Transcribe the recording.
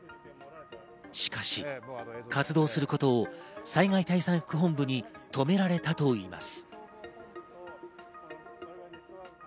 しかし、活動することを災害対策本部に止められたといいます。